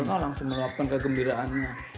oh langsung melakukan kegembiraannya